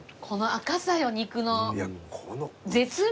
この赤さよ肉の。